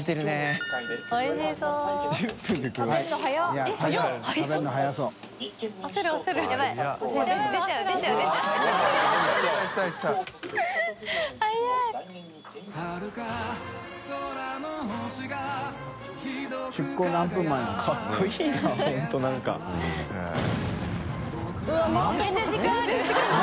松田）めちゃめちゃ時間ある